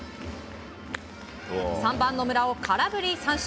３番、野村を空振り三振。